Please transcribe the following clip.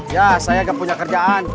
ya saya gak punya kerjaan